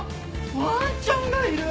ワンちゃんがいる！